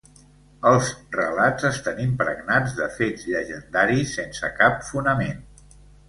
Els relats estan impregnats de fets llegendaris sense cap fonament.